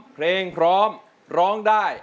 เพลงพร้อมร้องได้